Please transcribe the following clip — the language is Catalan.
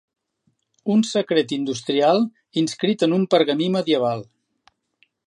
Un secret industrial inscrit en un pergamí medieval.